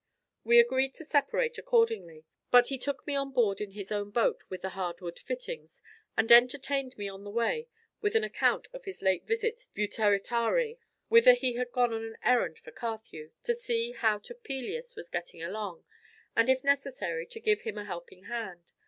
We agreed to separate, accordingly; but he took me on board in his own boat with the hard wood fittings, and entertained me on the way with an account of his late visit to Butaritari, whither he had gone on an errand for Carthew, to see how Topelius was getting along, and, if necessary, to give him a helping hand.